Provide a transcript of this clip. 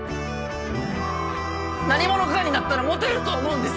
何者かになったらモテると思うんです！